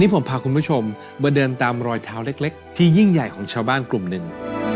ผมพาคุณผู้ชมมาเดินตามรอยเท้าเล็กที่ยิ่งใหญ่ของชาวบ้านกลุ่มหนึ่ง